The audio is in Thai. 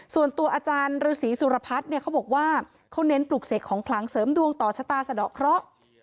ส่วนตัวอาจารย์ฤษีสุรพัฒน์เนี่ยเขาบอกว่าเขาเน้นปลูกเสกของคลังเสริมดวงต่อชะตาสะดอกเคราะห์